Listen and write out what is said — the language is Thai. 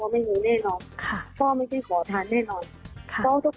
หนูเข้าหาพ่อตลอด